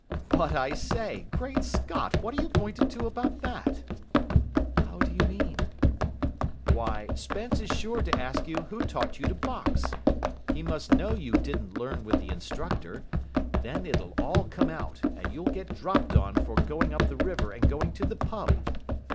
"But I say, Great Scott, what are you going to do about that?" "How do you mean?" "Why, Spence is sure to ask you who taught you to box. He must know you didn't learn with the instructor. Then it'll all come out, and you'll get dropped on for going up the river and going to the pub."